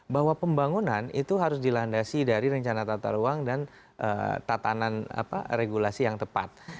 bahwa pembangunan itu harus dilandasi dari rencana tata ruang dan tatanan regulasi yang tepat